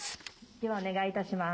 では、お願いいたします。